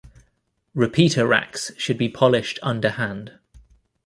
Repeater racks should be polished underhand.